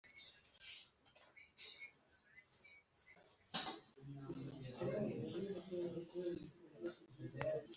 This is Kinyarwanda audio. Ese nano ahokwiha rubanda batabakunda banyarwanda nka Gerard ibyo yavuzeko atemeye Bushaija bakamubaza ko noneho ubwami buvuyeho